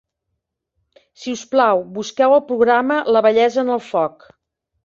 Si us plau, busqueu el programa "La bellesa en el foc".